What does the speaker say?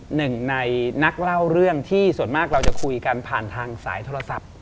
หนึ่งในนักเล่าเรื่องที่ส่วนมากเราจะคุยกันผ่านทางสายโทรศัพท์